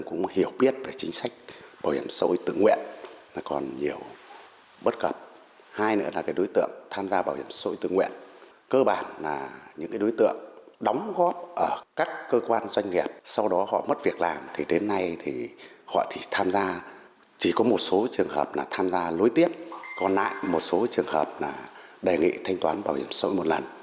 chỉ có một số trường hợp là tham gia lối tiếp còn lại một số trường hợp là đề nghị thanh toán bảo hiểm xã hội một lần